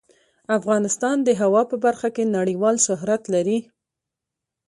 افغانستان د هوا په برخه کې نړیوال شهرت لري.